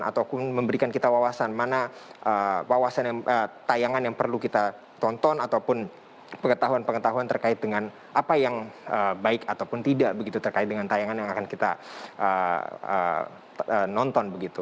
ataupun memberikan kita wawasan mana tayangan yang perlu kita tonton ataupun pengetahuan pengetahuan terkait dengan apa yang baik ataupun tidak begitu terkait dengan tayangan yang akan kita nonton begitu